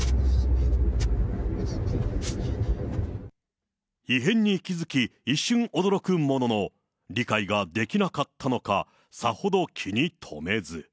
映っているって、異変に気付き、一瞬驚くものの、理解ができなかったのか、さほど気に留めず。